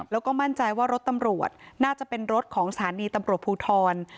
แล้วก็มั่นใจว่ารถตำรวจน่าจะเป็นรถของสถานีตำรวจภูทร